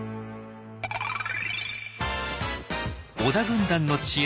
織田軍団の知恵